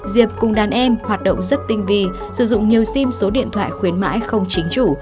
diệp cùng đàn em hoạt động rất tinh vi sử dụng nhiều sim số điện thoại khuyến mãi không chính chủ